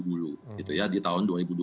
dulu di tahun dua ribu dua puluh satu